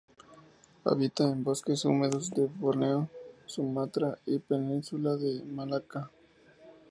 Habita en bosques húmedos de Borneo, Sumatra y la península de Malaca.